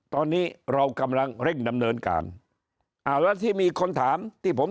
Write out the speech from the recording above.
ตอนนี้เรากำลังเร่งดำเนินการอ่าแล้วที่มีคนถามที่ผม